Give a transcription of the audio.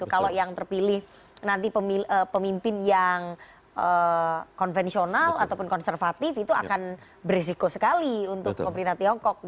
kalau yang terpilih nanti pemimpin yang konvensional ataupun konservatif itu akan beresiko sekali untuk pemerintah tiongkok